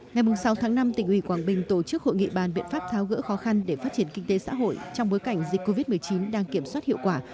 ngày sáu tháng năm tỉnh ủy quảng bình tổ chức hội nghị bàn biện pháp tháo gỡ khó khăn để phát triển kinh tế xã hội trong bối cảnh dịch covid một mươi chín đang kiểm soát hiệu quả